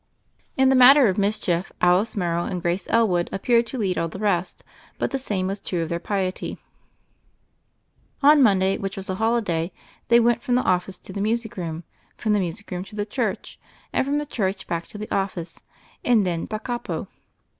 In the matter of mischief Alice Morrow and Grace Elwood appeared to lead all the rest; but the same was true of their piety. On Mon day, which was a holiday, they went from the office to the music room, from the music room to the church, and from the church back to the office, and then da capo.